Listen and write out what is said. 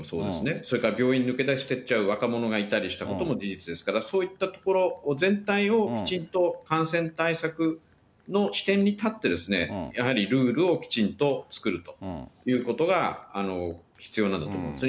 それから病院を抜け出していっちゃう若者がいたりしたことも事実ですから、そういったところ全体をきちんと感染対策の視点に立って、やはりルールをきちんと作るということが必要なんだと思うんですね。